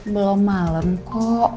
belum malam kok